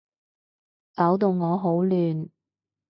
搞到我好亂